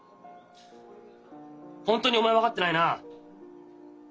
本当にお前分かってないな！